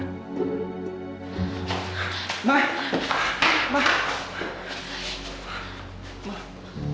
kenapa mas jos menghindar